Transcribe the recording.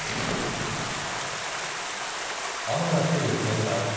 雨が降る現場。